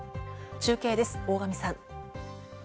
中継です、大神さん。